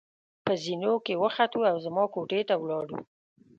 په زېنو کې وختو او زما کوټې ته ولاړو.